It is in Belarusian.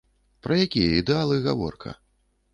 Пра якія ідэалы гаворка?